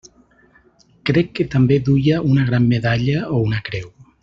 Crec que també duia una gran medalla o una creu.